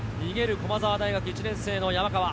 駒澤大学１年生の山川。